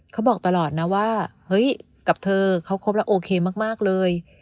เขาบอกตลอดนะว่าเฮ้ยกับเธอเขาคบแล้วโอเคมากเลย